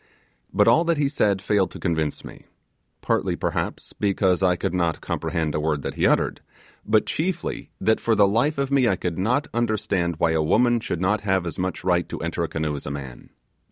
But all that he said failed to convince me: partly, perhaps, because I could not comprehend a word that he uttered; but chiefly, that for the life of me I could not understand why a woman would not have as much right to enter a canoe as a man.